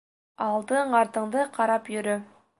Алдың-артыңды ҡарап йөрө.